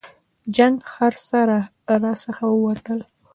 جنګ هرڅه راڅخه ولوټل.